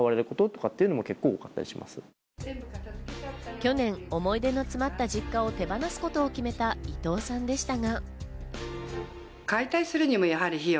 去年、思い出の詰まった実家を手放すことを決めた伊藤さんでしたが。